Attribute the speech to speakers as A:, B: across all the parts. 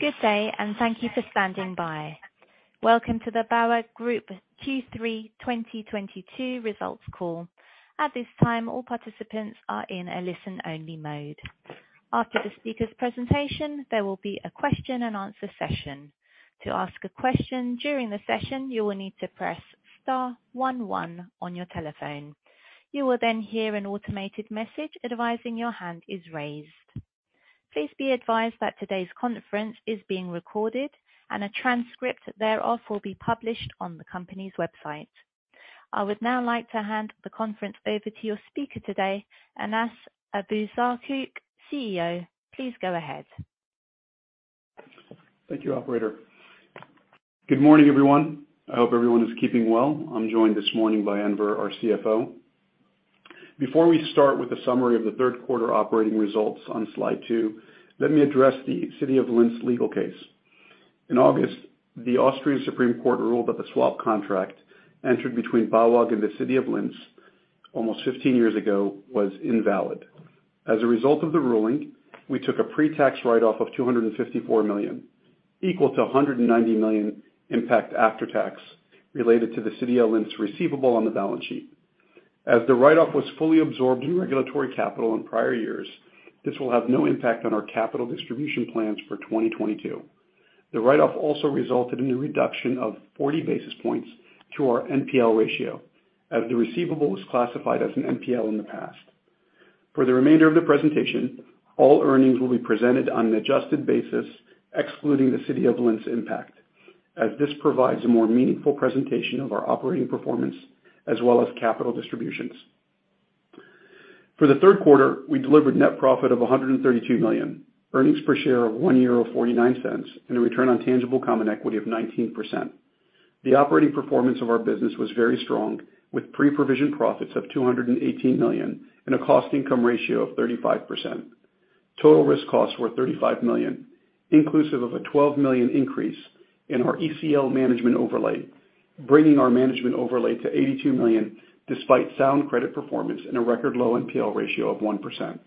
A: Good day, and thank you for standing by. Welcome to the BAWAG Group Q3 2022 results call. At this time, all participants are in a listen-only mode. After the speaker's presentation, there will be a question and answer session. To ask a question during the session, you will need to press star one one on your telephone. You will then hear an automated message advising your hand is raised. Please be advised that today's conference is being recorded and a transcript thereof will be published on the company's website. I would now like to hand the conference over to your speaker today, Anas Abuzaakouk, CEO. Please go ahead.
B: Thank you, operator. Good morning, everyone. I hope everyone is keeping well. I'm joined this morning by Enver, our CFO. Before we start with a summary of the third quarter operating results on slide two, let me address the City of Linz legal case. In August, the Austrian Supreme Court of Justice ruled that the swap contract entered between BAWAG and the City of Linz almost 15 years ago was invalid. As a result of the ruling, we took a pre-tax write-off of EUR 254 million, equal to a EUR 190 million impact after tax related to the City of Linz receivable on the balance sheet. As the write-off was fully absorbed in regulatory capital in prior years, this will have no impact on our capital distribution plans for 2022. The write-off also resulted in a reduction of 40 basis points to our NPL ratio, as the receivable was classified as an NPL in the past. For the remainder of the presentation, all earnings will be presented on an adjusted basis, excluding the City of Linz impact, as this provides a more meaningful presentation of our operating performance as well as capital distributions. For the third quarter, we delivered net profit of 132 million, earnings per share of 1.49 euro, and a return on tangible common equity of 19%. The operating performance of our business was very strong, with pre-provision profits of 218 million and a cost income ratio of 35%. Total risk costs were 35 million, inclusive of a 12 million increase in our ECL management overlay, bringing our management overlay to 82 million despite sound credit performance and a record low NPL ratio of 1%.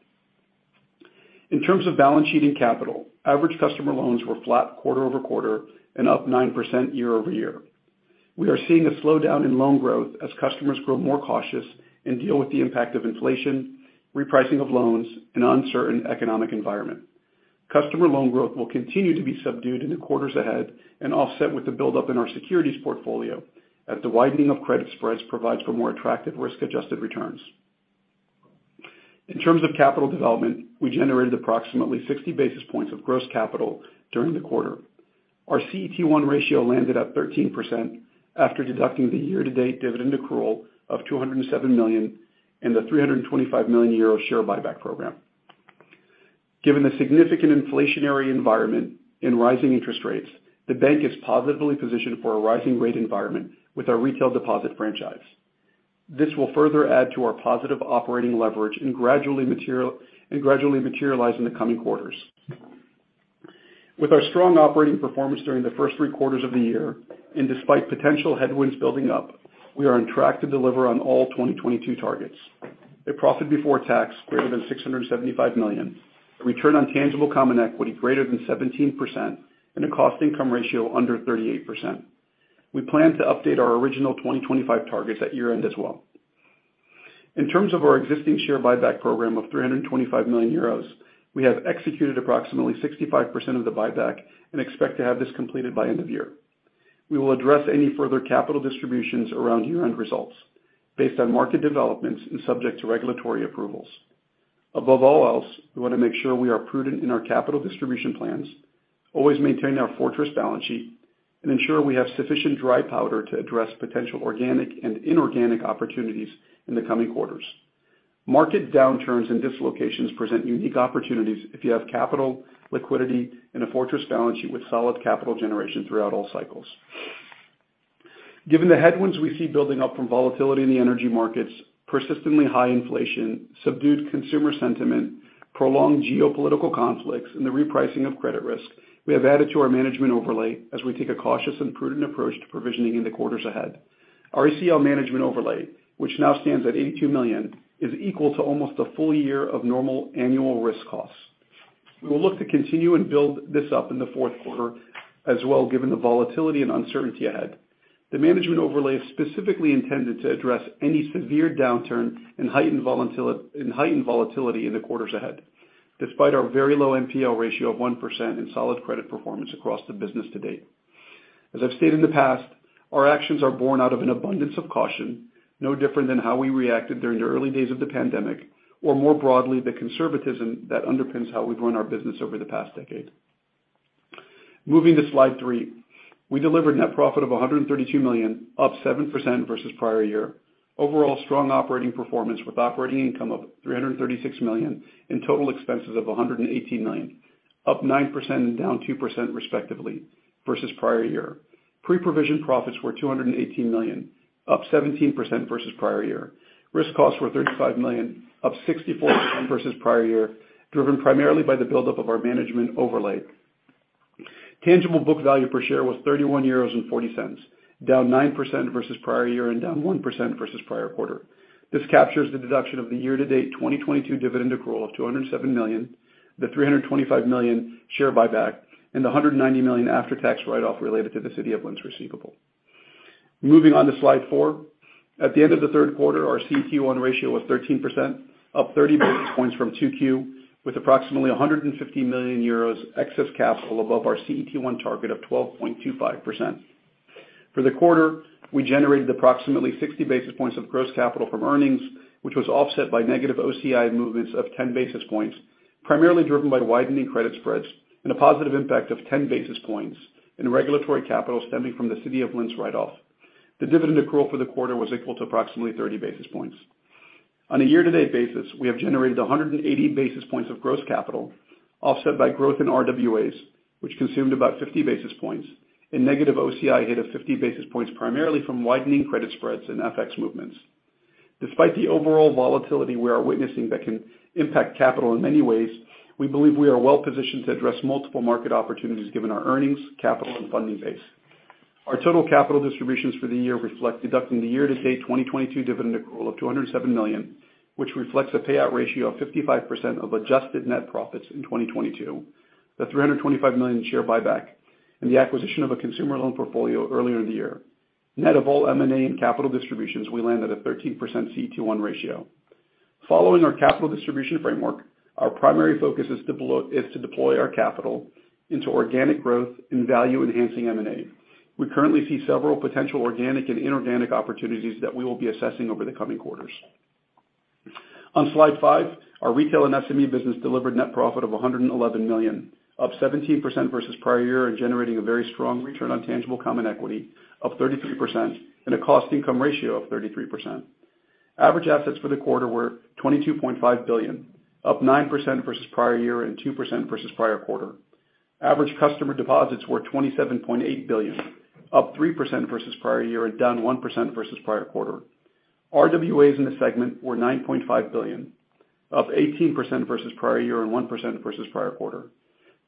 B: In terms of balance sheet and capital, average customer loans were flat quarter-over-quarter and up 9% year-over-year. We are seeing a slowdown in loan growth as customers grow more cautious and deal with the impact of inflation, repricing of loans, and uncertain economic environment. Customer loan growth will continue to be subdued in the quarters ahead and offset with the buildup in our securities portfolio as the widening of credit spreads provides for more attractive risk-adjusted returns. In terms of capital development, we generated approximately 60 basis points of gross capital during the quarter. Our CET1 ratio landed at 13% after deducting the year-to-date dividend accrual of 207 million and the 325 million euro share buyback program. Given the significant inflationary environment in rising interest rates, the bank is positively positioned for a rising rate environment with our retail deposit franchise. This will further add to our positive operating leverage and gradually materialize in the coming quarters. With our strong operating performance during the first three quarters of the year, and despite potential headwinds building up, we are on track to deliver on all 2022 targets. A profit before tax greater than 675 million, a return on tangible common equity greater than 17%, and a cost income ratio under 38%. We plan to update our original 2025 targets at year-end as well. In terms of our existing share buyback program of 325 million euros, we have executed approximately 65% of the buyback and expect to have this completed by end of year. We will address any further capital distributions around year-end results based on market developments and subject to regulatory approvals. Above all else, we want to make sure we are prudent in our capital distribution plans, always maintain our fortress balance sheet, and ensure we have sufficient dry powder to address potential organic and inorganic opportunities in the coming quarters. Market downturns and dislocations present unique opportunities if you have capital, liquidity, and a fortress balance sheet with solid capital generation throughout all cycles. Given the headwinds we see building up from volatility in the energy markets, persistently high inflation, subdued consumer sentiment, prolonged geopolitical conflicts, and the repricing of credit risk, we have added to our management overlay as we take a cautious and prudent approach to provisioning in the quarters ahead. Our ECL management overlay, which now stands at 82 million, is equal to almost a full year of normal annual risk costs. We will look to continue and build this up in the fourth quarter as well, given the volatility and uncertainty ahead. The management overlay is specifically intended to address any severe downturn and heightened volatility in the quarters ahead, despite our very low NPL ratio of 1% and solid credit performance across the business to date. As I've stated in the past, our actions are born out of an abundance of caution, no different than how we reacted during the early days of the pandemic, or more broadly, the conservatism that underpins how we've run our business over the past decade. Moving to slide three. We delivered net profit of 132 million, up 7% versus prior year. Overall strong operating performance with operating income of 336 million and total expenses of 118 million, up 9% and down 2% respectively, versus prior year. Pre-provision profits were 218 million, up 17% versus prior year. Risk costs were 35 million, up 64% versus prior year, driven primarily by the buildup of our management overlay. Tangible book value per share was 31.40 euros, down 9% versus prior year and down 1% versus prior quarter. This captures the deduction of the year-to-date 2022 dividend accrual of 207 million, the 325 million share buyback, and the 190 million after-tax write-off related to the City of Linz receivable. Moving on to slide four. At the end of the third quarter, our CET1 ratio was 13%, up 30 basis points from 2Q, with approximately 150 million euros excess capital above our CET1 target of 12.25%. For the quarter, we generated approximately 60 basis points of gross capital from earnings, which was offset by negative OCI movements of 10 basis points, primarily driven by widening credit spreads and a positive impact of 10 basis points in regulatory capital stemming from the City of Linz write off. The dividend accrual for the quarter was equal to approximately 30 basis points. On a year-to-date basis, we have generated 180 basis points of gross capital, offset by growth in RWAs, which consumed about 50 basis points and negative OCI hit of 50 basis points, primarily from widening credit spreads and FX movements. Despite the overall volatility we are witnessing that can impact capital in many ways, we believe we are well-positioned to address multiple market opportunities given our earnings, capital, and funding base. Our total capital distributions for the year reflect deducting the year-to-date 2022 dividend accrual of 207 million, which reflects a payout ratio of 55% of adjusted net profits in 2022, the 325 million share buyback, and the acquisition of a consumer loan portfolio earlier in the year. Net of all M&A and capital distributions, we land at a 13% CET1 ratio. Following our capital distribution framework, our primary focus is to deploy our capital into organic growth and value-enhancing M&A. We currently see several potential organic and inorganic opportunities that we will be assessing over the coming quarters. On slide five, our retail and SME business delivered net profit of 111 million, up 17% versus prior year and generating a very strong return on tangible common equity of 33% and a cost income ratio of 33%. Average assets for the quarter were 22.5 billion, up 9% versus prior year and 2% versus prior quarter. Average customer deposits were 27.8 billion, up 3% versus prior year and down 1% versus prior quarter. RWAs in the segment were 9.5 billion, up 18% versus prior year and 1% versus prior quarter.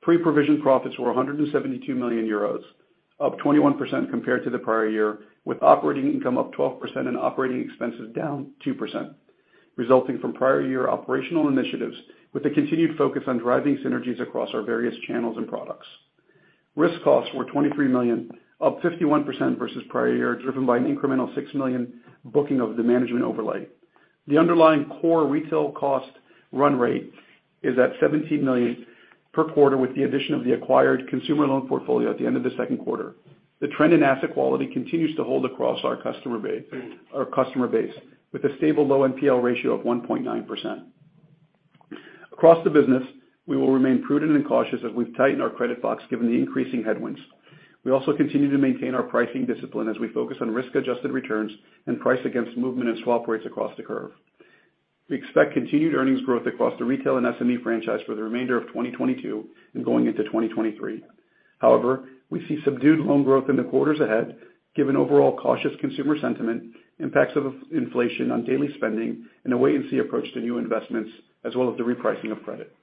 B: Pre-provision profits were 172 million euros, up 21% compared to the prior year, with operating income up 12% and operating expenses down 2%, resulting from prior year operational initiatives with a continued focus on driving synergies across our various channels and products. Risk costs were 23 million, up 51% versus prior year, driven by an incremental 6 million booking of the management overlay. The underlying core retail cost run rate is at 17 million per quarter, with the addition of the acquired consumer loan portfolio at the end of the second quarter. The trend in asset quality continues to hold across our customer base, with a stable low NPL ratio of 1.9%. Across the business, we will remain prudent and cautious as we've tightened our credit box given the increasing headwinds. We also continue to maintain our pricing discipline as we focus on risk-adjusted returns and price against movement in swap rates across the curve. We expect continued earnings growth across the retail and SME franchise for the remainder of 2022 and going into 2023. However, we see subdued loan growth in the quarters ahead given overall cautious consumer sentiment, impacts of inflation on daily spending, and a wait and see approach to new investments, as well as the repricing of credit.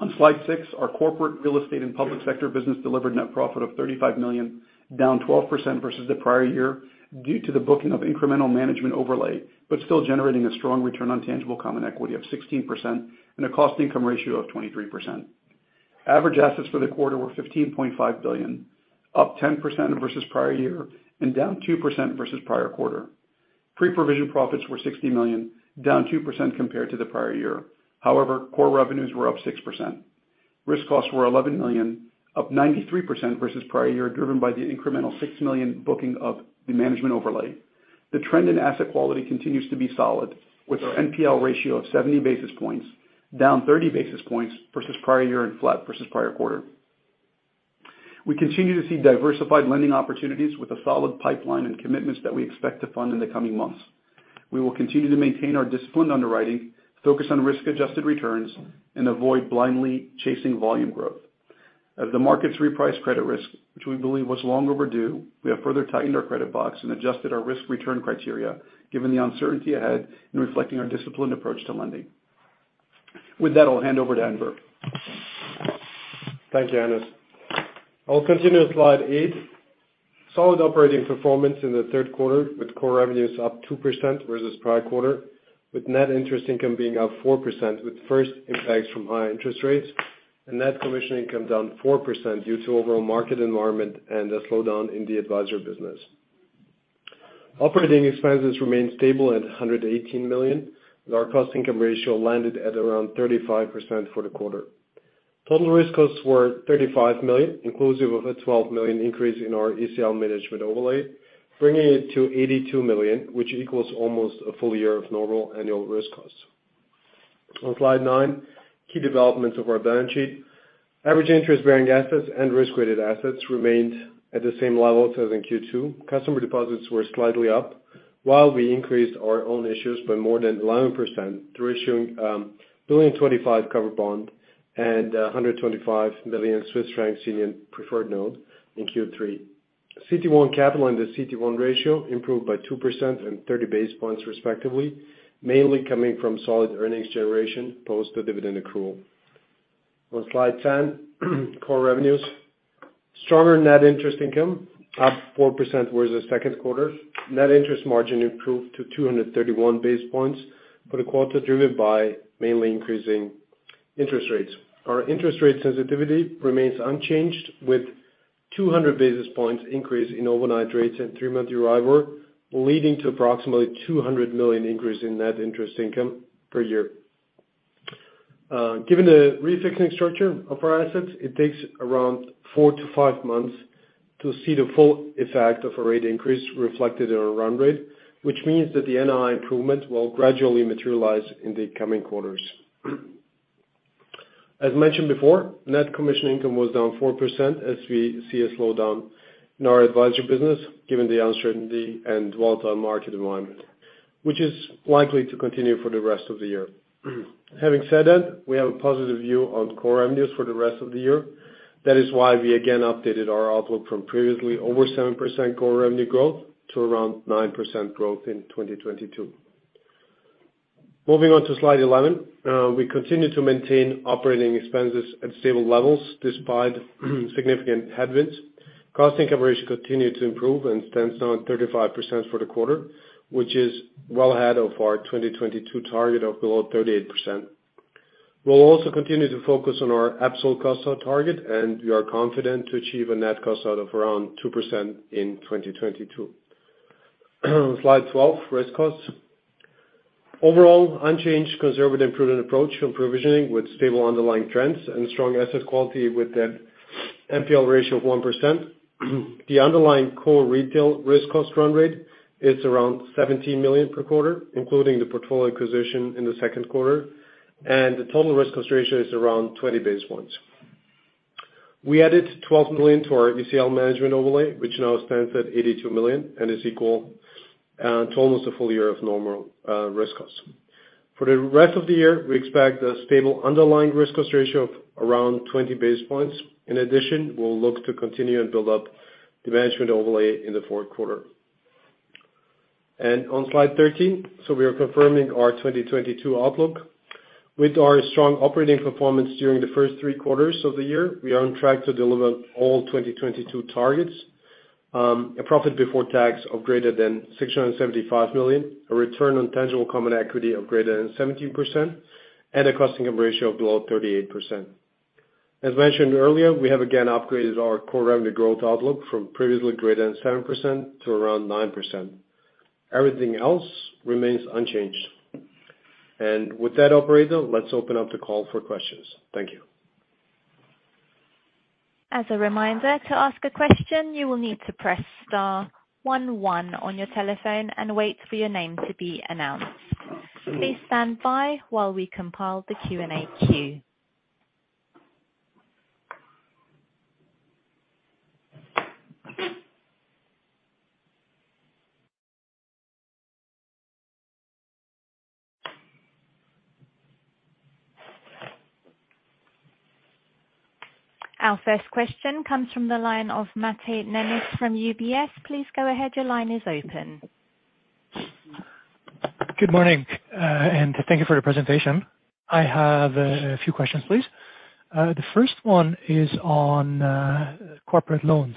B: On slide six, our corporate real estate and public sector business delivered net profit of 35 million, down 12% versus the prior year due to the booking of incremental management overlay, but still generating a strong return on tangible common equity of 16% and a cost income ratio of 23%. Average assets for the quarter were 15.5 billion, up 10% versus prior year and down 2% versus prior quarter. Pre-provision profits were 60 million, down 2% compared to the prior year. However, core revenues were up 6%. Risk costs were 11 million, up 93% versus prior year, driven by the incremental 6 million booking of the management overlay. The trend in asset quality continues to be solid, with our NPL ratio of 70 basis points, down 30 basis points versus prior year and flat versus prior quarter. We continue to see diversified lending opportunities with a solid pipeline and commitments that we expect to fund in the coming months. We will continue to maintain our disciplined underwriting, focus on risk-adjusted returns, and avoid blindly chasing volume growth. As the markets reprice credit risk, which we believe was long overdue, we have further tightened our credit box and adjusted our risk return criteria, given the uncertainty ahead in reflecting our disciplined approach to lending. With that, I'll hand over to Enver.
C: Thank you, Anas. I'll continue with slide eight. Solid operating performance in the third quarter with core revenues up 2% versus prior quarter, with net interest income being up 4%, with first impacts from high interest rates and net commission income down 4% due to overall market environment and a slowdown in the advisor business. Operating expenses remained stable at 118 million, with our cost income ratio landed at around 35% for the quarter. Total risk costs were 35 million, inclusive of a 12 million increase in our ECL management overlay, bringing it to 82 million, which equals almost a full year of normal annual risk costs. On slide nine, key developments of our balance sheet. Average interest-bearing assets and risk-weighted assets remained at the same level as in Q2. Customer deposits were slightly up, while we increased our own issues by more than 11% through issuing a 1.025 billion EUR covered bond and 125 million Swiss franc senior preferred note in Q3. CET1 capital and the CET1 ratio improved by 2% and 30 basis points respectively, mainly coming from solid earnings generation post the dividend accrual. On slide ten, core revenues. Stronger net interest income up 4% whereas the second quarter net interest margin improved to 231 basis points for the quarter, driven by mainly increasing interest rates. Our interest rate sensitivity remains unchanged with 200 basis points increase in overnight rates and three-month EURIBOR, leading to approximately 200 million increase in net interest income per year. Given the refixing structure of our assets, it takes around four to five months to see the full effect of a rate increase reflected in our run rate, which means that the NII improvement will gradually materialize in the coming quarters. As mentioned before, net commission income was down 4% as we see a slowdown in our advisory business given the uncertainty and volatile market environment, which is likely to continue for the rest of the year. Having said that, we have a positive view on core revenues for the rest of the year. That is why we again updated our outlook from previously over 7% core revenue growth to around 9% growth in 2022. Moving on to slide 11. We continue to maintain operating expenses at stable levels despite significant headwinds. Cost income ratio continues to improve and stands at 35% for the quarter, which is well ahead of our 2022 target of below 38%. We'll also continue to focus on our absolute cost out target, and we are confident to achieve a net cost out of around 2% in 2022. Slide 12, risk costs. Overall, unchanged conservative prudent approach on provisioning with stable underlying trends and strong asset quality with an NPL ratio of 1%. The underlying core retail risk cost run rate is around 17 million per quarter, including the portfolio acquisition in the second quarter, and the total risk cost ratio is around 20 basis points. We added 12 million to our ECL management overlay, which now stands at 82 million and is equal to almost a full year of normal risk costs. For the rest of the year, we expect a stable underlying risk cost ratio of around 20 basis points. In addition, we'll look to continue and build up the management overlay in the fourth quarter. On slide 13, we are confirming our 2022 outlook. With our strong operating performance during the first three quarters of the year, we are on track to deliver all 2022 targets, a profit before tax of greater than 675 million, a return on tangible common equity of greater than 17% and a cost income ratio of below 38%. As mentioned earlier, we have again upgraded our core revenue growth outlook from previously greater than 7% to around 9%. Everything else remains unchanged. With that, operator, let's open up the call for questions. Thank you.
A: As a reminder, to ask a question, you will need to press star one one on your telephone and wait for your name to be announced. Please stand by while we compile the Q&A queue. Our first question comes from the line of Máté Nemes from UBS. Please go ahead. Your line is open.
D: Good morning, and thank you for your presentation. I have a few questions, please. The first one is on corporate loans.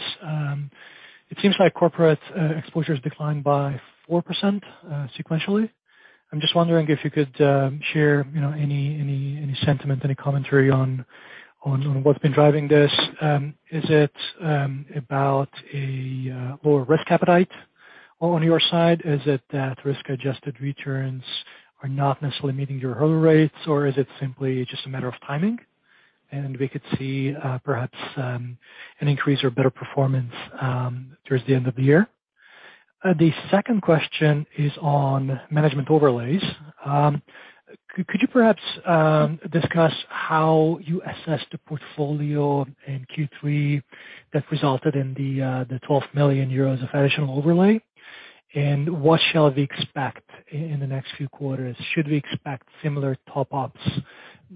D: It seems like corporate exposure has declined by 4% sequentially. I'm just wondering if you could share, you know, any sentiment, any commentary on what's been driving this. Is it about a lower risk appetite on your side? Is it that risk-adjusted returns are not necessarily meeting your hurdle rates, or is it simply just a matter of timing, and we could see perhaps an increase or better performance towards the end of the year? The second question is on management overlays. Could you perhaps discuss how you assess the portfolio in Q3 that resulted in the 12 million euros of additional overlay, and what shall we expect in the next few quarters? Should we expect similar top ups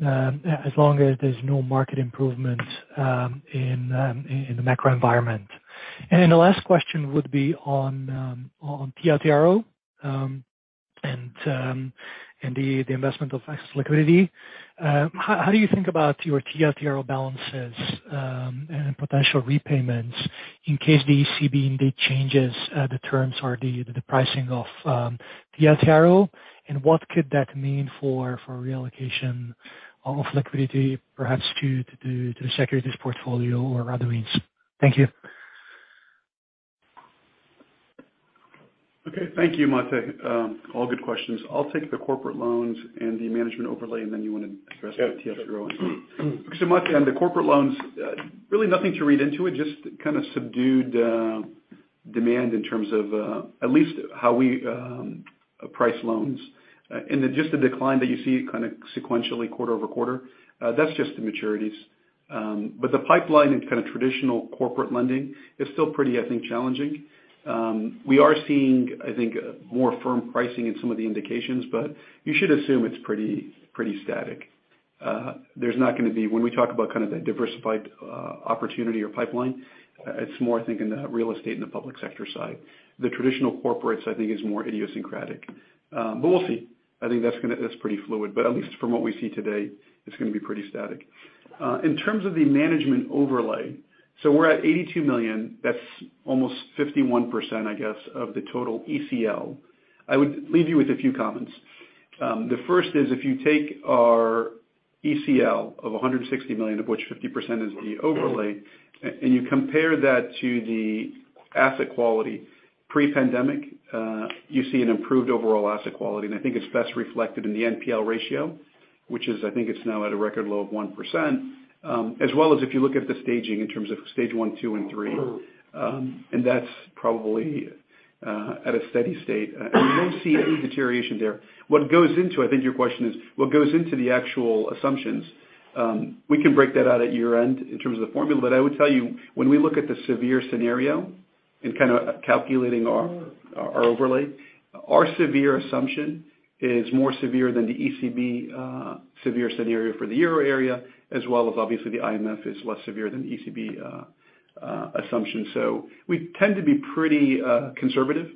D: as long as there's no market improvement in the macro environment? Then the last question would be on TLTRO and the investment of excess liquidity. How do you think about your TLTRO balances and potential repayments in case the ECB indeed changes the terms or the pricing of TLTRO, and what could that mean for reallocation of liquidity, perhaps to the securities portfolio or other means? Thank you.
B: Okay. Thank you, Máté. All good questions. I'll take the corporate loans and the management overlay, and then you wanna address the TLTRO one.
C: Sure.
B: Máté, on the corporate loans, really nothing to read into it, just kind of subdued demand in terms of at least how we price loans. Then just the decline that you see kind of sequentially quarter-over-quarter, that's just the maturities. The pipeline in kind of traditional corporate lending is still pretty, I think, challenging. We are seeing, I think, more firm pricing in some of the indications, but you should assume it's pretty static. There's not gonna be any. When we talk about kind of the diversified opportunity or pipeline, it's more, I think, in the real estate and the public sector side. The traditional corporates, I think, is more idiosyncratic. We'll see. I think that's pretty fluid, but at least from what we see today, it's gonna be pretty static. In terms of the management overlay, so we're at 82 million. That's almost 51%, I guess, of the total ECL. I would leave you with a few comments. The first is if you take our ECL of 160 million, of which 50% is the overlay, and you compare that to the asset quality pre-pandemic, you see an improved overall asset quality, and I think it's best reflected in the NPL ratio, which is, I think it's now at a record low of 1%, as well as if you look at the staging in terms of stage one, two, and three. That's probably at a steady state. We don't see any deterioration there. I think your question is, what goes into the actual assumptions? We can break that out at year-end in terms of the formula. I would tell you, when we look at the severe scenario in kinda calculating our overlay, our severe assumption is more severe than the ECB severe scenario for the Euro area, as well as obviously, the IMF is less severe than ECB assumption. We tend to be pretty conservative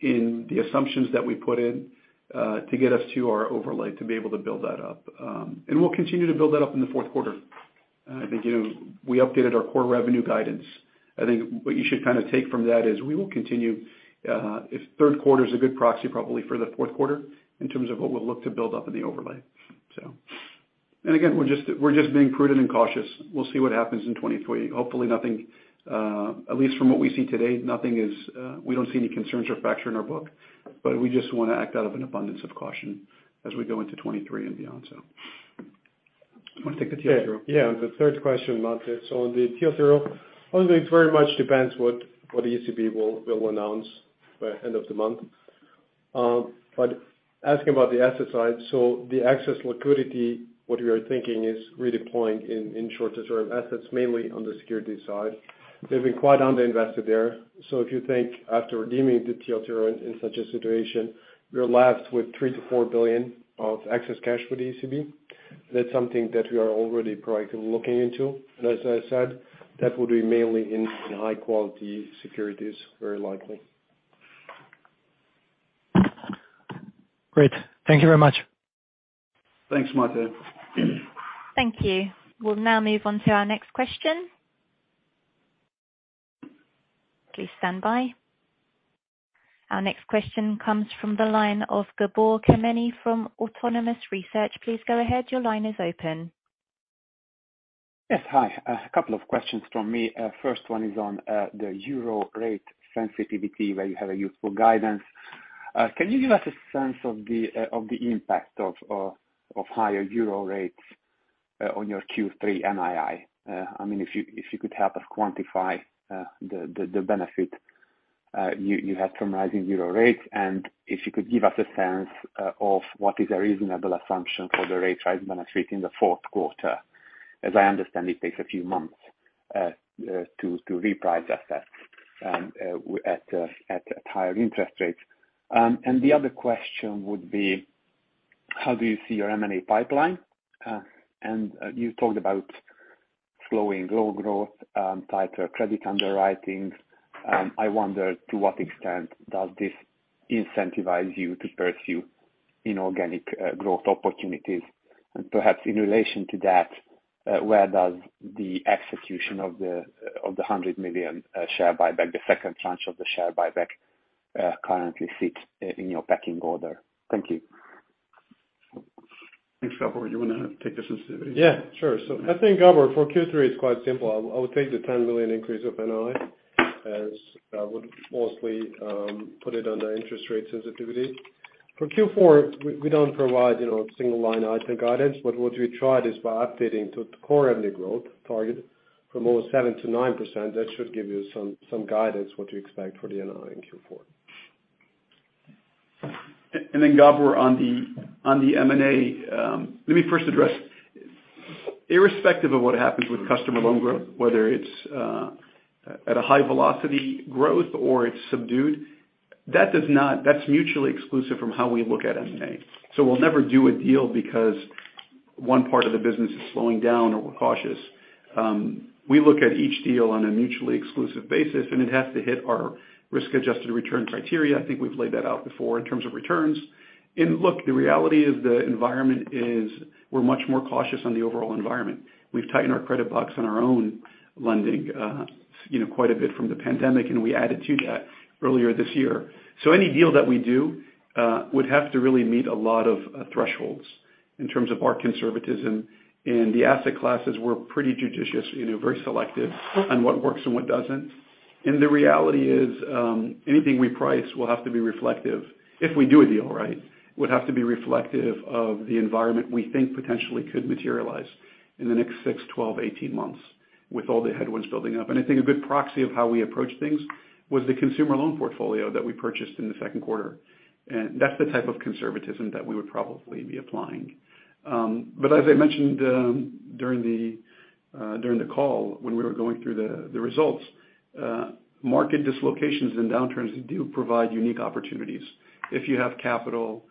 B: in the assumptions that we put in to get us to our overlay to be able to build that up. We'll continue to build that up in the fourth quarter. I think, you know, we updated our core revenue guidance. I think what you should kinda take from that is we will continue, if third quarter is a good proxy, probably for the fourth quarter in terms of what we'll look to build up in the overlay, so. Again, we're just being prudent and cautious. We'll see what happens in 2023. Hopefully nothing, at least from what we see today, nothing is, we don't see any concerns or fracture in our book, but we just wanna act out of an abundance of caution as we go into 2023 and beyond. Do you wanna take the TLTRO?
C: Yeah. The third question, Máté. On the TLTRO, although it very much depends what ECB will announce by end of the month, asking about the asset side. The excess liquidity, what we are thinking is redeploying in short-term assets, mainly on the securities side. They've been quite underinvested there. If you think after redeeming the TLTRO in such a situation, we're left with 3 billion-4 billion of excess cash with the ECB. That's something that we are already proactively looking into. As I said, that would be mainly in high quality securities, very likely.
D: Great. Thank you very much.
B: Thanks, Máté.
A: Thank you. We'll now move on to our next question. Please stand by. Our next question comes from the line of Gabor Kemeny from Autonomous Research. Please go ahead. Your line is open.
E: Yes. Hi. A couple of questions from me. First one is on the euro rate sensitivity, where you have a useful guidance. Can you give us a sense of the impact of higher euro rates on your Q3 NII? I mean, if you could help us quantify the benefit you have from rising euro rates, and if you could give us a sense of what is a reasonable assumption for the rate rise when I treat in the fourth quarter? As I understand, it takes a few months to reprice assets at higher interest rates. The other question would be, how do you see your M&A pipeline? You talked about slowing loan growth, tighter credit underwriting. I wonder to what extent does this incentivize you to pursue inorganic growth opportunities? Perhaps in relation to that, where does the execution of the 100 million share buyback, the second tranche of the share buyback, currently sit in your pecking order? Thank you.
B: Thanks, Gabor. You wanna take the sensitivity?
C: Yeah, sure. I think, Gabor, for Q3, it's quite simple. I would take the 10 million increase of NII, as I would mostly put it under interest rate sensitivity. For Q4, we don't provide single-line item guidance, but what we tried is by updating to core revenue growth target from over 7%-9%, that should give you some guidance, what to expect for the NII in Q4.
B: Gabor on the M&A, let me first address. Irrespective of what happens with customer loan growth, whether it's at a high velocity growth or it's subdued, that's mutually exclusive from how we look at M&A. We'll never do a deal because one part of the business is slowing down or we're cautious. We look at each deal on a mutually exclusive basis, and it has to hit our risk-adjusted return criteria. I think we've laid that out before in terms of returns. Look, the reality is we're much more cautious on the overall environment. We've tightened our credit box on our own lending, you know, quite a bit from the pandemic, and we added to that earlier this year. Any deal that we do would have to really meet a lot of thresholds in terms of our conservatism. In the asset classes, we're pretty judicious, you know, very selective on what works and what doesn't. The reality is, anything we price will have to be reflective, if we do a deal, right, of the environment we think potentially could materialize in the next six, 12, 18 months with all the headwinds building up. I think a good proxy of how we approach things was the consumer loan portfolio that we purchased in the second quarter. That's the type of conservatism that we would probably be applying. But as I mentioned, during the call when we were going through the results, market dislocations and downturns do provide unique opportunities. If you have capital,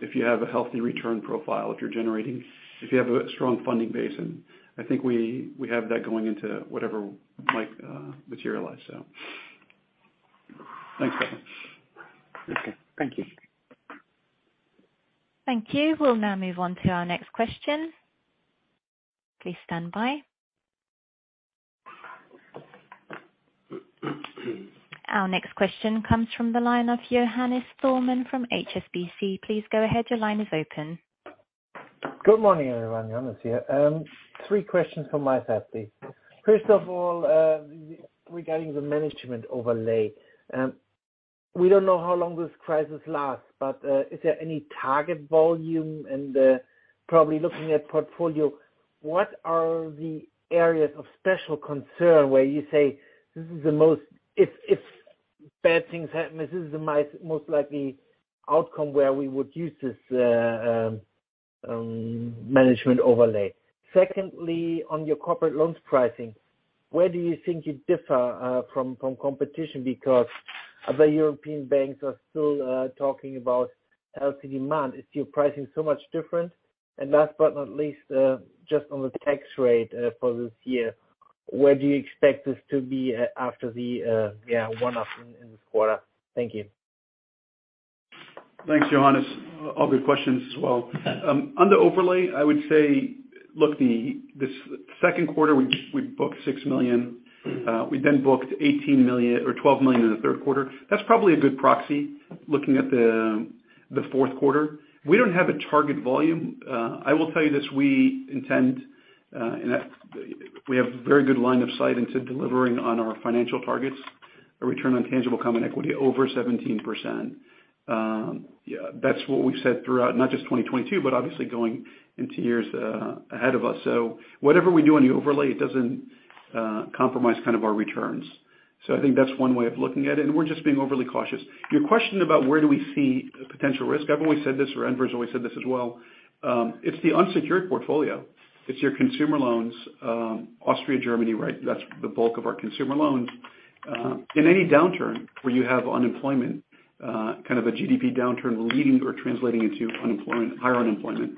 B: if you have a healthy return profile that you're generating, if you have a strong funding base, and I think we have that going into whatever might materialize. Thanks, Gabor.
E: Okay. Thank you.
A: Thank you. We'll now move on to our next question. Please stand by. Our next question comes from the line of Johannes Thormann from HSBC. Please go ahead. Your line is open.
F: Good morning, everyone. Johannes Thormann here. Three questions from my side, please. First of all, regarding the management overlay. We don't know how long this crisis lasts, but is there any target volume and probably looking at portfolio, what are the areas of special concern where you say, if bad things happen, this is the most likely outcome where we would use this management overlay. Secondly, on your corporate loans pricing, where do you think you differ from competition because other European banks are still talking about healthy demand. Is your pricing so much different? And last but not least, just on the tax rate for this year, where do you expect this to be after the one-off in this quarter? Thank you.
B: Thanks, Johannes. All good questions as well. On the overlay, I would say, look, this second quarter, we booked 6 million. We then booked 18 million or 12 million in the third quarter. That's probably a good proxy looking at the fourth quarter. We don't have a target volume. I will tell you this, we intend and that we have very good line of sight into delivering on our financial targets, a return on tangible common equity over 17%. Yeah, that's what we've said throughout not just 2022, but obviously going into years ahead of us. Whatever we do on the overlay, it doesn't compromise kind of our returns. I think that's one way of looking at it, and we're just being overly cautious. Your question about where do we see potential risk, I've always said this, or Enver's always said this as well, it's the unsecured portfolio. It's your consumer loans, Austria, Germany, right? That's the bulk of our consumer loans. In any downturn where you have unemployment, kind of a GDP downturn leading or translating into unemployment, higher unemployment,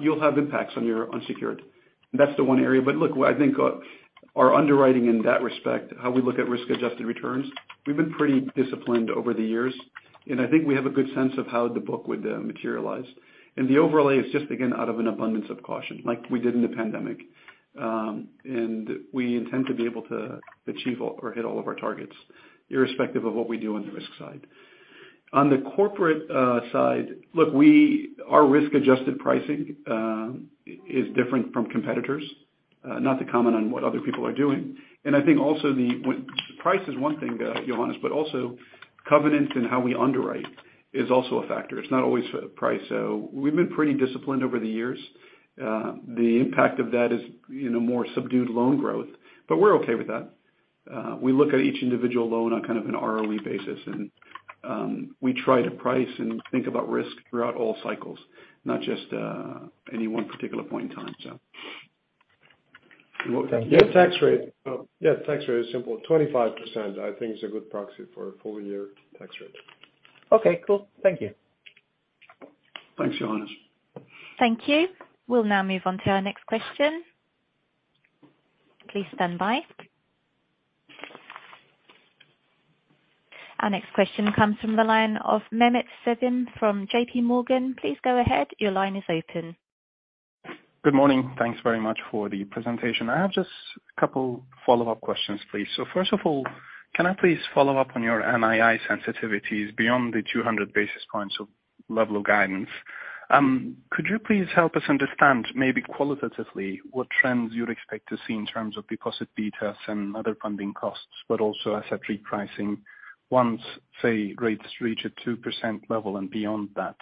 B: you'll have impacts on your unsecured. That's the one area. But look, I think, our underwriting in that respect, how we look at risk-adjusted returns, we've been pretty disciplined over the years. I think we have a good sense of how the book would materialize. The overlay is just, again, out of an abundance of caution, like we did in the pandemic. We intend to be able to achieve or hit all of our targets, irrespective of what we do on the risk side. On the corporate side, our risk-adjusted pricing is different from competitors. Not to comment on what other people are doing. I think also the price is one thing, Johannes, but also covenant and how we underwrite is also a factor. It's not always price. We've been pretty disciplined over the years. The impact of that is, you know, more subdued loan growth, but we're okay with that. We look at each individual loan on kind of an ROE basis. We try to price and think about risk throughout all cycles, not just any one particular point in time.
F: Thank you.
C: Tax rate is simple. 25%, I think, is a good proxy for a full year tax rate.
F: Okay, cool. Thank you.
B: Thanks, Johannes.
A: Thank you. We'll now move on to our next question. Please stand by. Our next question comes from the line of Mehmet Sevim from JPMorgan. Please go ahead. Your line is open.
G: Good morning. Thanks very much for the presentation. I have just a couple follow-up questions, please. First of all, can I please follow up on your NII sensitivities beyond the 200 basis points of level of guidance? Could you please help us understand maybe qualitatively what trends you'd expect to see in terms of deposit betas and other funding costs, but also asset repricing once, say, rates reach a 2% level and beyond that?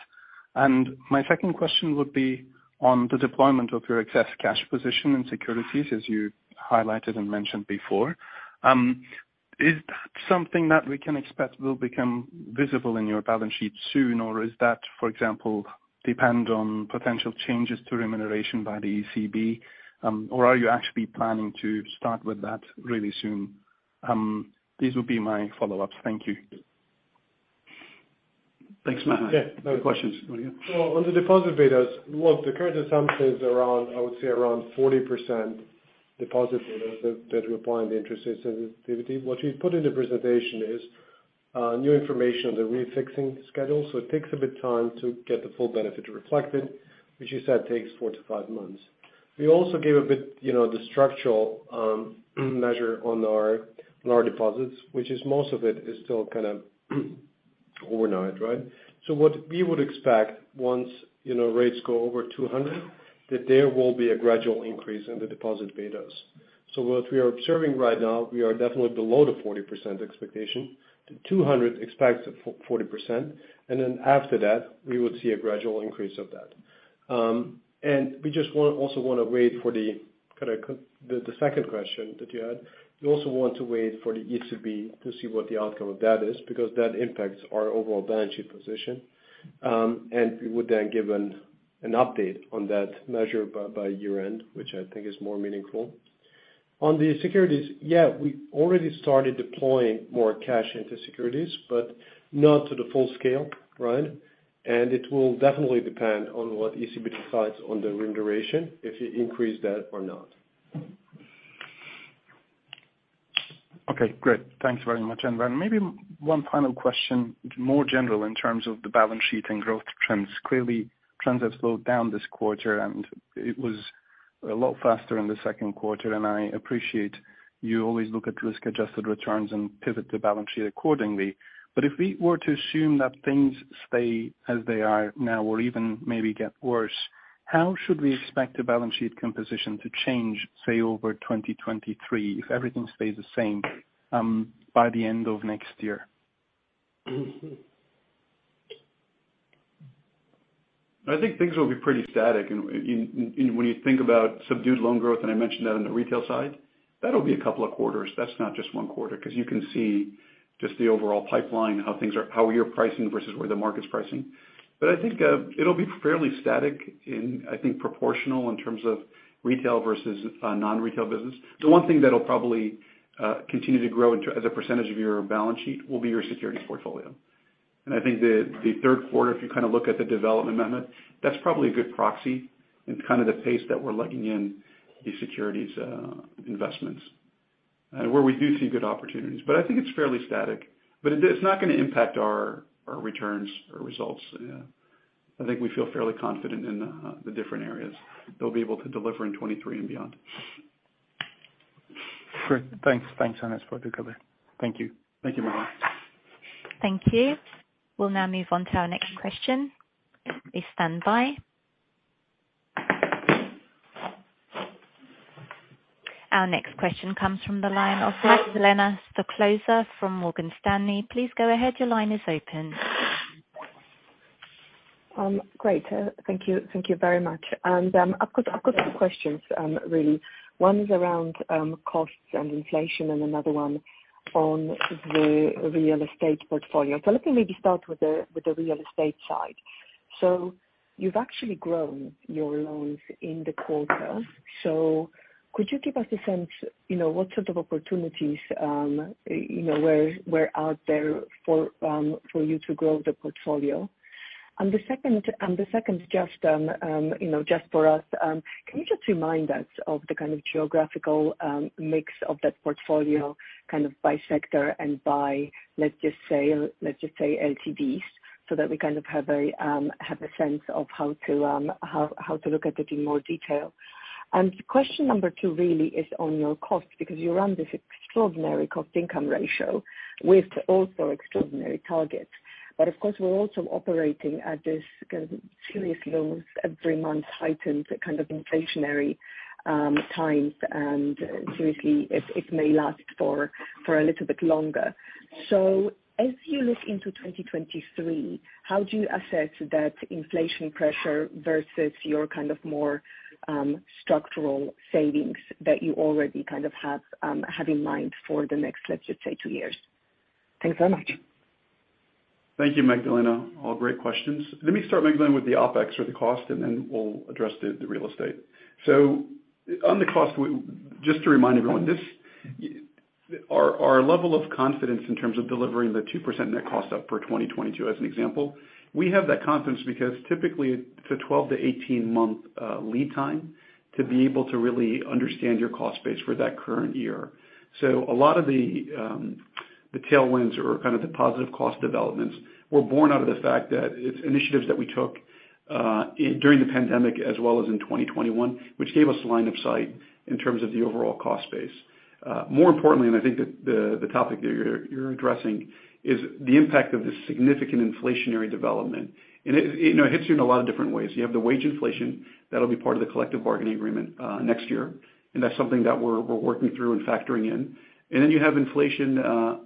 G: My second question would be on the deployment of your excess cash position in securities, as you highlighted and mentioned before. Is that something that we can expect will become visible in your balance sheet soon, or is that, for example, depend on potential changes to remuneration by the ECB, or are you actually planning to start with that really soon? These will be my follow-ups. Thank you.
B: Thanks, Mehmet. Goo d questions.
C: On the deposit betas, look, the current assumption is around, I would say, around 40% deposit betas that we apply in the interest sensitivity. What we put in the presentation is new information on the refixing schedule. It takes a bit time to get the full benefit reflected, which you said takes four to five months. We also gave a bit, you know, the structural measure on our deposits, which is most of it is still kind of overnight, right? What we would expect once, you know, rates go over 200, that there will be a gradual increase in the deposit betas. What we are observing right now, we are definitely below the 40% expectation. The 200 expects 40%. Then after that, we would see a gradual increase of that. We just want to wait for kinda the second question that you had. We also want to wait for the ECB to see what the outcome of that is, because that impacts our overall balance sheet position. We would then give an update on that measure by year-end, which I think is more meaningful. On the securities, yeah, we already started deploying more cash into securities, but not to the full scale, right? It will definitely depend on what ECB decides on the remuneration, if they increase that or not.
G: Okay, great. Thanks very much, Enver. Maybe one final question, more general in terms of the balance sheet and growth trends. Clearly, trends have slowed down this quarter, and it was a lot faster in the second quarter, and I appreciate you always look at risk-adjusted returns and pivot the balance sheet accordingly. If we were to assume that things stay as they are now or even maybe get worse, how should we expect the balance sheet composition to change, say over 2023 if everything stays the same, by the end of next year?
B: I think things will be pretty static. When you think about subdued loan growth, and I mentioned that on the retail side, that'll be a couple of quarters. That's not just one quarter, because you can see just the overall pipeline, how we are pricing versus where the market's pricing. But I think it'll be fairly static and I think proportional in terms of retail versus non-retail business. The one thing that'll probably continue to grow as a percentage of your balance sheet will be your securities portfolio. I think the third quarter, if you kind of look at the development on it, that's probably a good proxy. It's kind of the pace that we're legging in the securities investments where we do see good opportunities. I think it's fairly static, but it is not going to impact our returns or results. Yeah. I think we feel fairly confident in the different areas they'll be able to deliver in 2023 and beyond.
G: Great. Thanks. Thanks, Anas, for the color. Thank you.
B: Thank you, Mehmet.
A: Thank you. We'll now move on to our next question. Please stand by. Our next question comes from the line of Magdalena Stoklosa from Morgan Stanley. Please go ahead. Your line is open.
H: Great. Thank you. Thank you very much. I've got two questions, really. One is around costs and inflation and another one on the real estate portfolio. Let me maybe start with the real estate side. You've actually grown your loans in the quarter. Could you give us a sense, you know, what sort of opportunities, you know, were out there for you to grow the portfolio? The second just, you know, just for us, can you just remind us of the kind of geographical mix of that portfolio kind of by sector and by, let's just say, LTVs, so that we kind of have a sense of how to look at it in more detail. Question number two really is on your cost because you run this extraordinary cost income ratio with also extraordinary targets. Of course, we're also operating at this kind of serious lows every month, heightened kind of inflationary times, and seriously it may last for a little bit longer. As you look into 2023, how do you assess that inflation pressure versus your kind of more structural savings that you already kind of have in mind for the next, let's just say two years? Thanks so much.
B: Thank you, Magdalena. All great questions. Let me start, Magdalena, with the OpEx or the cost, and then we'll address the real estate. On the cost, just to remind everyone, this, our level of confidence in terms of delivering the 2% net cost up for 2022 as an example, we have that confidence because typically it's a 12- to 18-month lead time to be able to really understand your cost base for that current year. A lot of the tailwinds or kind of the positive cost developments were born out of the fact that it's initiatives that we took during the pandemic as well as in 2021, which gave us a line of sight in terms of the overall cost base. More importantly, I think that the topic that you're addressing is the impact of this significant inflationary development. It, you know, hits you in a lot of different ways. You have the wage inflation that'll be part of the collective bargaining agreement next year, and that's something that we're working through and factoring in. You have inflation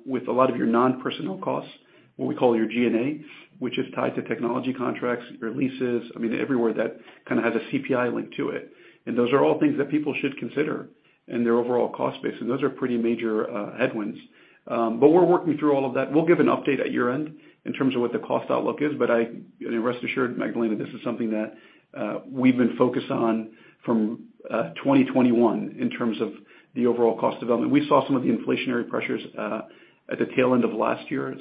B: with a lot of your non-personnel costs, what we call your G&A, which is tied to technology contracts, your leases, I mean everywhere that kind of has a CPI link to it. Those are all things that people should consider in their overall cost base. Those are pretty major headwinds. We're working through all of that. We'll give an update at year-end in terms of what the cost outlook is. Rest assured, Magdalena, this is something that we've been focused on from 2021 in terms of the overall cost development. We saw some of the inflationary pressures at the tail end of last year.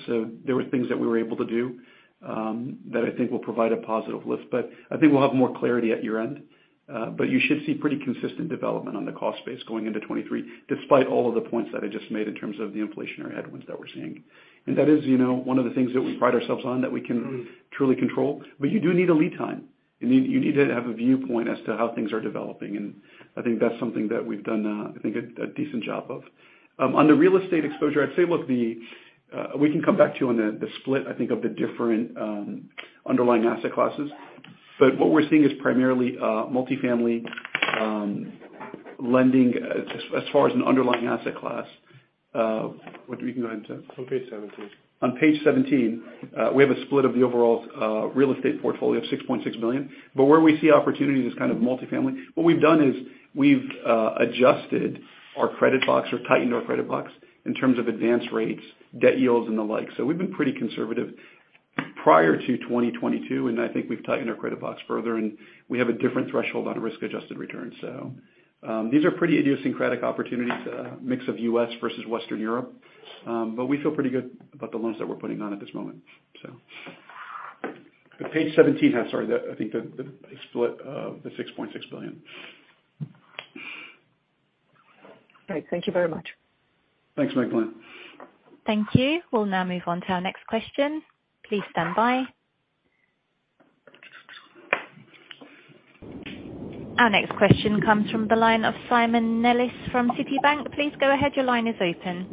B: There were things that we were able to do that I think will provide a positive lift. I think we'll have more clarity at year-end. You should see pretty consistent development on the cost base going into 2023, despite all of the points that I just made in terms of the inflationary headwinds that we're seeing. That is, you know, one of the things that we pride ourselves on that we can truly control. You do need a lead time, and you need to have a viewpoint as to how things are developing. I think that's something that we've done, I think a decent job of. On the real estate exposure, I'd say, look, we can come back to you on the split, I think of the different underlying asset classes. What we're seeing is primarily multifamily lending as far as an underlying asset class. What do we go ahead to?
C: On page 17.
B: On page 17, we have a split of the overall real estate portfolio of 6.6 billion. Where we see opportunities is kind of multifamily. What we've done is we've adjusted our credit box or tightened our credit box in terms of advance rates, debt yields and the like. We've been pretty conservative prior to 2022, and I think we've tightened our credit box further, and we have a different threshold on risk-adjusted returns. These are pretty idiosyncratic opportunities, mix of U.S. versus Western Europe. But we feel pretty good about the loans that we're putting on at this moment. Page 17 has the split of the 6.6 billion.
H: Great. Thank you very much.
B: Thanks, Magdalena.
A: Thank you. We'll now move on to our next question. Please stand by. Our next question comes from the line of Simon Nellis from Citibank. Please go ahead. Your line is open.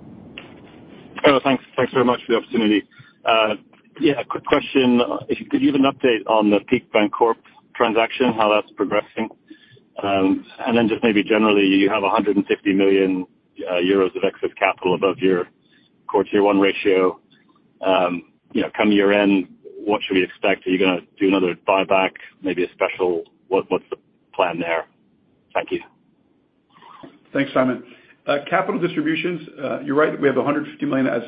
I: Hello. Thanks. Thanks very much for the opportunity. A quick question. If you could give an update on the Peak Bancorp transaction, how that's progressing. Just maybe generally, you have 150 million euros of excess capital above your CET1 ratio. You know, come year-end, what should we expect? Are you gonna do another buyback, maybe a special? What's the plan there? Thank you.
B: Thanks, Simon. Capital distributions, you're right. We have 150 million as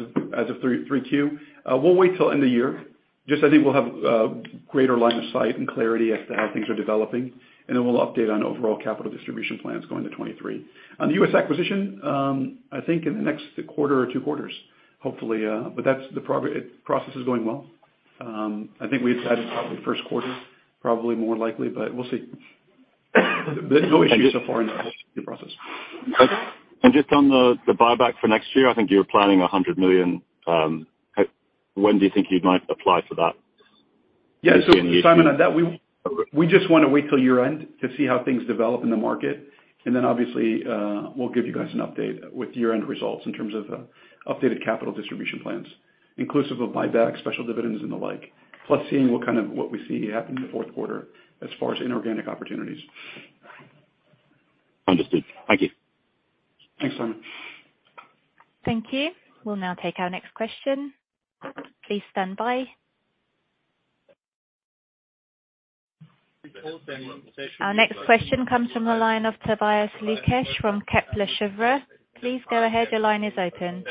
B: of Q3. We'll wait till end of year. Just, I think we'll have greater line of sight and clarity as to how things are developing, and then we'll update on overall capital distribution plans going to 2023. On the U.S. acquisition, I think in the next quarter or two quarters, hopefully. But the process is going well. I think we had said probably first quarter, probably more likely, but we'll see. There's no issues so far in the process.
I: Just on the buyback for next year. I think you're planning 100 million. When do you think you might apply for that?
B: Yeah. Simon, on that, we just wanna wait till year-end to see how things develop in the market. Then obviously, we'll give you guys an update with year-end results in terms of updated capital distribution plans, inclusive of buyback, special dividends and the like. Plus seeing what we see happening in the fourth quarter as far as inorganic opportunities.
I: Understood. Thank you.
B: Thanks, Simon.
A: Thank you. We'll now take our next question. Please stand by. Our next question comes from the line of Tobias Lukesch from Kepler Cheuvreux. Please go ahead. Your line is open.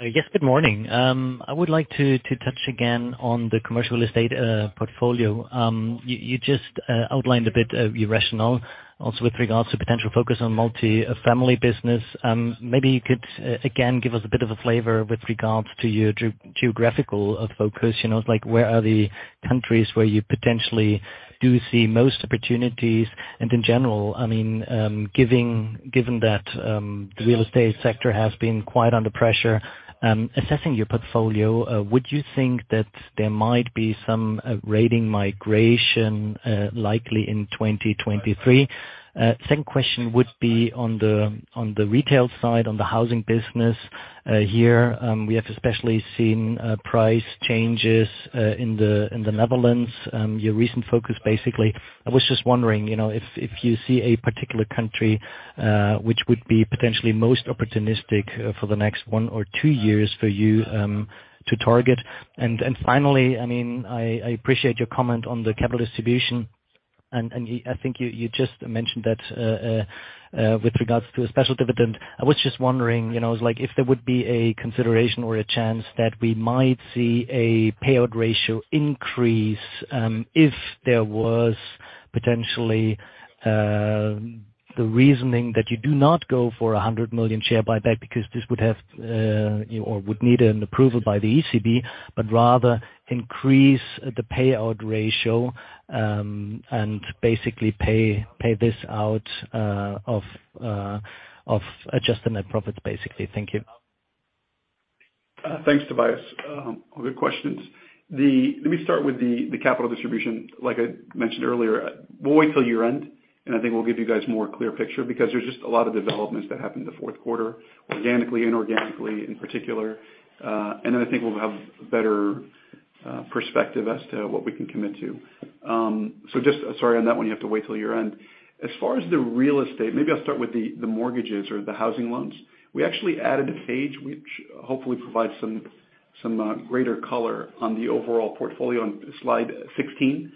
J: Yes, good morning. I would like to touch again on the commercial real estate portfolio. You just outlined a bit of your rationale also with regards to potential focus on multifamily business. Maybe you could again give us a bit of a flavor with regards to your geographical focus. You know, like where are the countries where you potentially do see most opportunities? In general, I mean, given that the real estate sector has been quite under pressure, assessing your portfolio, would you think that there might be some rating migration likely in 2023? Second question would be on the retail side, on the housing business here. We have especially seen price changes in the Netherlands, your recent focus, basically. I was just wondering, you know, if you see a particular country, which would be potentially most opportunistic for the next one or two years for you, to target. Finally, I mean, I appreciate your comment on the capital distribution, and I think you just mentioned that, with regards to a special dividend. I was just wondering, you know, like if there would be a consideration or a chance that we might see a payout ratio increase, if there was potentially the reasoning that you do not go for a 100 million share buyback because this would have, or would need an approval by the ECB, but rather increase the payout ratio, and basically pay this out, of adjusted net profits, basically. Thank you.
B: Thanks, Tobias. All good questions. Let me start with the capital distribution. Like I mentioned earlier, we'll wait till year-end, and I think we'll give you guys more clear picture because there's just a lot of developments that happen in the fourth quarter, organically, inorganically, in particular. And then I think we'll have better perspective as to what we can commit to. So, sorry, on that one, you have to wait till year-end. As far as the real estate, maybe I'll start with the mortgages or the housing loans. We actually added a page which hopefully provides some greater color on the overall portfolio on slide 16,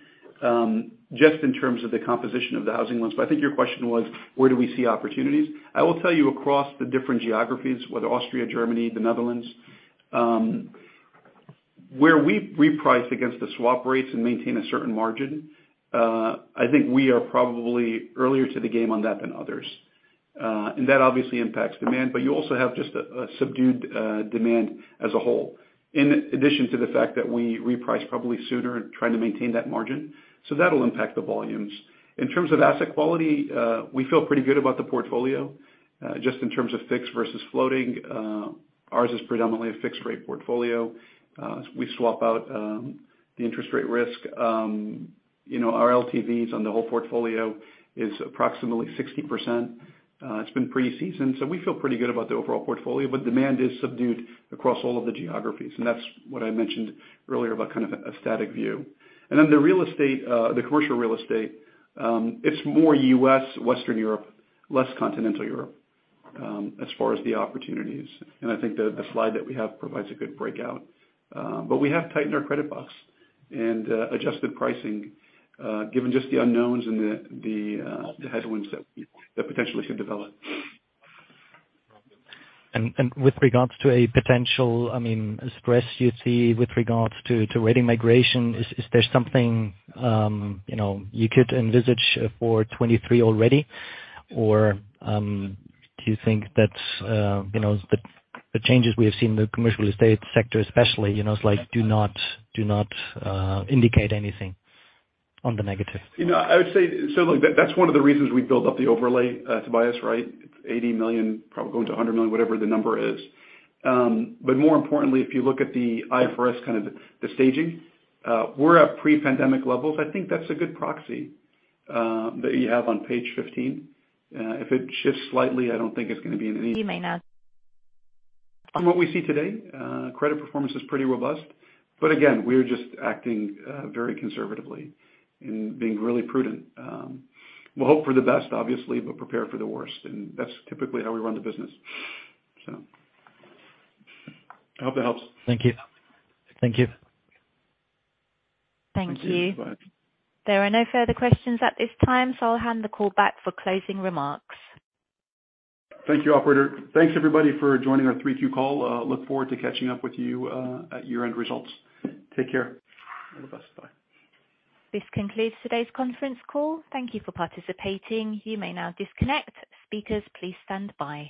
B: just in terms of the composition of the housing loans. I think your question was, where do we see opportunities? I will tell you across the different geographies, whether Austria, Germany, the Netherlands, where we've repriced against the swap rates and maintain a certain margin. I think we are probably earlier to the game on that than others. That obviously impacts demand, but you also have just a subdued demand as a whole. In addition to the fact that we reprice probably sooner in trying to maintain that margin. That'll impact the volumes. In terms of asset quality, we feel pretty good about the portfolio, just in terms of fixed versus floating. Ours is predominantly a fixed rate portfolio. We swap out the interest rate risk. You know, our LTVs on the whole portfolio is approximately 60%. It's been pretty seasoned, so we feel pretty good about the overall portfolio, but demand is subdued across all of the geographies. That's what I mentioned earlier about kind of a static view. The real estate, the commercial real estate, it's more U.S., Western Europe, less continental Europe, as far as the opportunities. I think the slide that we have provides a good breakout. We have tightened our credit box and adjusted pricing, given just the unknowns and the headwinds that potentially could develop.
J: With regards to a potential, I mean, stress you see with regards to rating migration, is there something you know you could envisage for 2023 already? Or do you think that you know the changes we have seen in the commercial real estate sector especially, you know, it's like do not indicate anything on the negative?
B: You know, I would say. Look, that's one of the reasons we built up the overlay, Tobias, right? 80 million, probably going to 100 million, whatever the number is. More importantly, if you look at the IFRS, kind of the staging, we're at pre-pandemic levels. I think that's a good proxy that you have on page 15. If it shifts slightly, I don't think it's gonna be anything.
A: You may now-
B: From what we see today, credit performance is pretty robust. Again, we're just acting very conservatively and being really prudent. We'll hope for the best, obviously, but prepare for the worst. That's typically how we run the business. I hope that helps.
J: Thank you. Thank you.
A: Thank you.
B: Thank you. Bye.
A: There are no further questions at this time, so I'll hand the call back for closing remarks.
B: Thank you, operator. Thanks, everybody, for joining our 3Q call. Look forward to catching up with you at year-end results. Take care. All the best. Bye.
A: This concludes today's conference call. Thank you for participating. You may now disconnect. Speakers, please stand by.